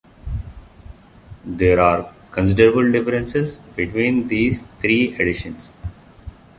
There are considerable differences between these three editions.